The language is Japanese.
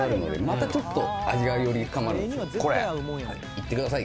いってください